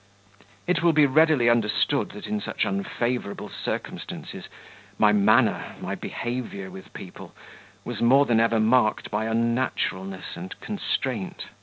It will be readily understood that in such unfavourable circumstances my manner, my behaviour with people, was more than ever marked by unnaturalness and constraint.